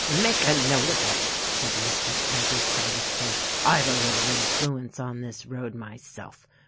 "Make a note of it!" said Mr. Craggie savagely. "I've a little influence on this road myself.